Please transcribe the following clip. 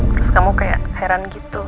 terus kamu kayak heran gitu